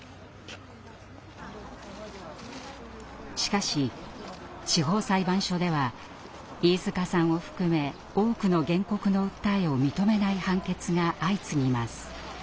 しかし地方裁判所では飯塚さんを含め多くの原告の訴えを認めない判決が相次ぎます。